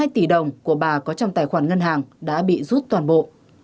một hai tỷ đồng của bà có trong tài khoản ngân hàng đã bị rút toàn bộ